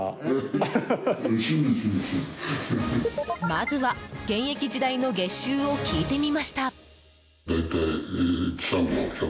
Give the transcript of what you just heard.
まずは現役時代の月収を聞いてみました。